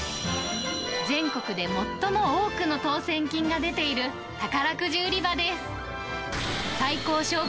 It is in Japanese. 全国で最も多くの当せん金が出ている宝くじ売り場です。